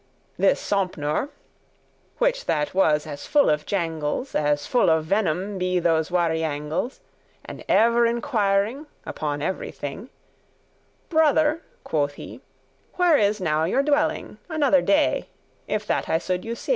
This Sompnour, which that was as full of jangles,* *chattering As full of venom be those wariangles,* * butcher birds <7> And ev'r inquiring upon every thing, "Brother," quoth he, "where is now your dwelling, Another day if that I should you seech?"